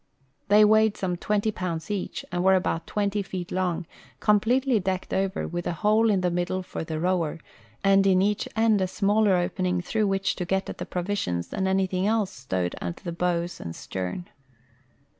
They Aveighed some tAventy pounds each, and Avere about tAventy feet long, com pletely decked over, Avith a hole in the middle for the roAver, and in each end a smaller opening through Avhich to get at the pro visions and anything else stoAved under the boAvs and stern.